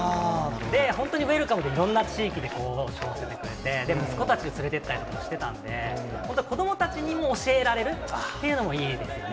で、本当にウエルカムでいろんな地域で背負わせてくれて、でも息子たちを連れてったりもしてたんで、本当子どもたちにも教えられるっていうのもいいですよね。